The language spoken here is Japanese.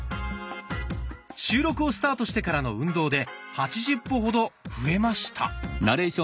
収録をスタートしてからの運動で８０歩ほど増えました。